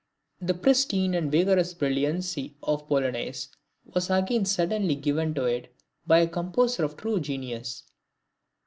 The pristine and vigorous brilliancy of the Polonaise was again suddenly given to it by a composer of true genius.